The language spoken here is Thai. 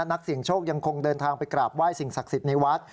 ทุกคนคงเดินทางไปกราบไหว้สิ่งศักดิ์สิทธิ์ในวัด